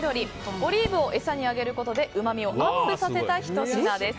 オリーブを餌にあげることでうまみをアップさせたひと品です。